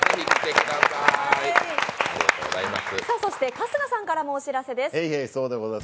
そして春日さんからもお知らせです。